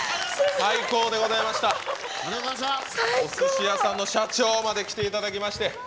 おすし屋さんの社長まで来ていただきまして。